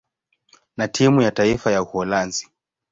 na timu ya taifa ya Uholanzi.